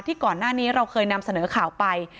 ก่อนหน้านี้เราเคยนำเสนอข่าวไป